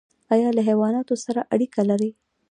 ایا له حیواناتو سره اړیکه لرئ؟